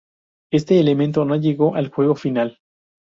Este elemento no llegó al juego final.